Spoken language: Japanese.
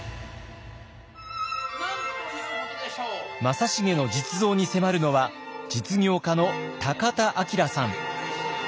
正成の実像に迫るのは実業家の田明さん。